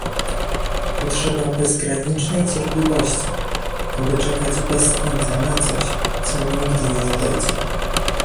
"potrzeba bezgranicznej cierpliwości, aby czekać bez końca na coś, co nigdy nie nadejdzie"